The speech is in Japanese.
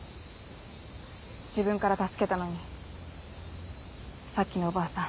自分から助けたのにさっきのおばあさん。